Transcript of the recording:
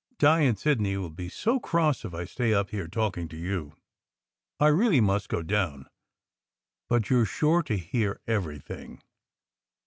"Di and Sidney will be so cross if I stay up here talking to you. I really must go down; but you re sure to hear everything."